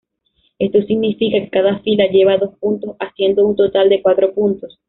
Esto significa que cada fila lleva dos puntos, haciendo un total de cuatro puntos.